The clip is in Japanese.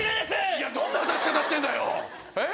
いやどんな渡し方してんだよえっ？